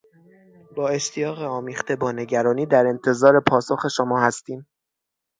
با اشتیاق آمیخته با نگرانی در انتظار پاسخ شما هستیم.